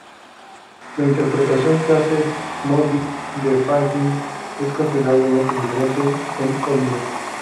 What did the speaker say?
La interpretación que hace Moody de Fagin es considerablemente diferente en "Oliver!